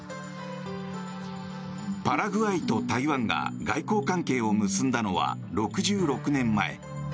パラグアイと台湾が外交関係を結んだのは６６年前。